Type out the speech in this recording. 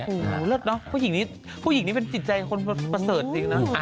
พวกหญิงนี้เป็นจิตใจคนประเสริฐจริงนะ